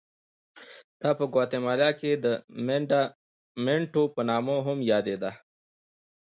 دا په ګواتیمالا کې د منډامینټو په نامه هم یادېده.